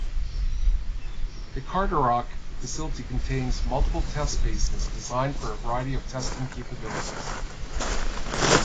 The Carderock facility contains multiple test basins designed for a variety of testing capabilities.